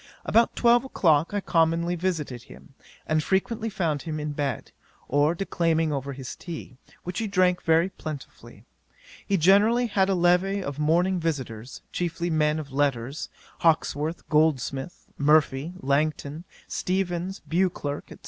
About twelve o'clock I commonly visited him, and frequently found him in bed, or declaiming over his tea, which he drank very plentifully. He generally had a levee of morning visitors, chiefly men of letters; Hawkesworth, Goldsmith, Murphy, Langton, Steevens, Beauclerk, &c.